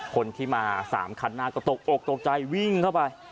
คนที่มา๓คันหน้าก็ตกอกตกใจวิ่งเข้าไป